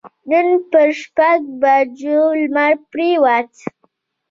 نن پر شپږ بجو لمر پرېوت.